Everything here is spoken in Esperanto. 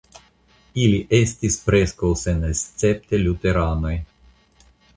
Ili estis preskaŭ senescepte luteranoj.